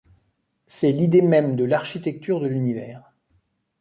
C'est l'idée même de l'architecture de l'univers.